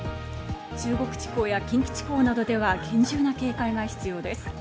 中国地方や近畿地方などでは厳重な警戒が必要です。